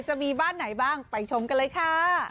จะมีบ้านไหนบ้างไปชมกันเลยค่ะ